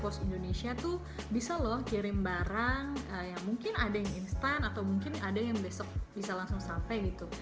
post indonesia tuh bisa loh kirim barang ya mungkin ada yang instan atau mungkin ada yang besok bisa langsung sampai gitu